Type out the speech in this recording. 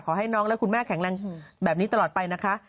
ขอให้น้องและคุณแม่แข็งแรงแบบนี้ตลอดไปนะคะ